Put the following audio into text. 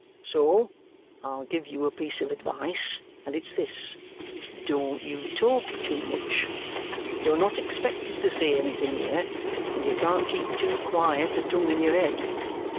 So I'll give you a piece of advice, and it's this, don't you talk too much. You're not expected to say anything here, and you can't keep too quiet a tongue in your head.